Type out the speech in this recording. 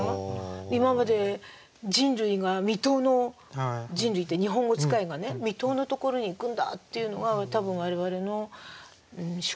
今まで人類が未到の人類って日本語使いがね未到のところに行くんだっていうのが多分我々の宿命。